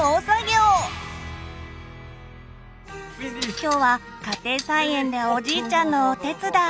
今日は家庭菜園でおじいちゃんのお手伝い。